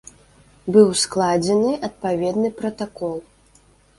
Быў складзены адпаведны пратакол.